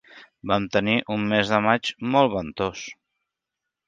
Vam tenir un mes de maig molt ventós.